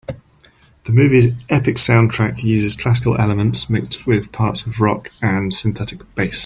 The movie's epic soundtrack uses classical elements mixed with parts of rock and synthetic bass.